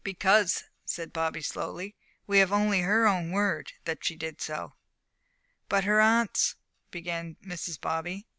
"Because," said Bobby, slowly, "we have only her own word that she did so." "But her aunts" began Mrs. Bobby.